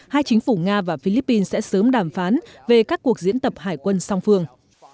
hai chính phủ nga và philippines sẽ sớm đàm phán về các cuộc diễn tập hải quân song phương